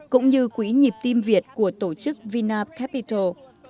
cũng như quỹ nhịp tim việt của tổ chức vinap capital